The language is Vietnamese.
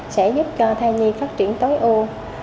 sẽ giúp cho thai nhi phát triển tối ưu